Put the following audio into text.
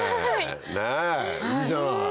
ねいいじゃない！